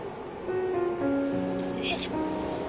よいしょ。